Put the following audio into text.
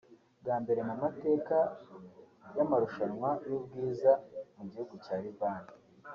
Bwa mbere mu mateka y’amarushanwa y’ubwiza mu gihugu cya Libani